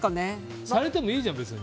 されてもいいじゃん、別に。